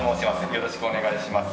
よろしくお願いします。